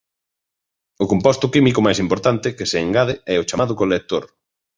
O composto químico máis importante que se engade é o chamado colector.